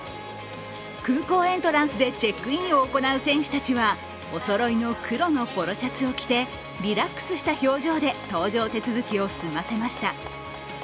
空港エントランスでチェックインを行う選手たちはおそろいの黒のポロシャツを着てリラックスした表情で搭乗手続きを済ませました。